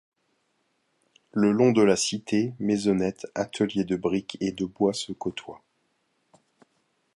Le long de la cité, maisonnettes, ateliers de briques et de bois se côtoient.